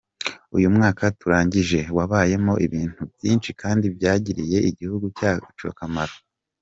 Uyu mwaka turangije, wabayemo ibintu byinshi kandi byagiriye Igihugu cyacu akamaro.